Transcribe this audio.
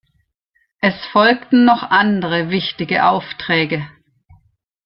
Es folgten noch andere wichtige Aufträge.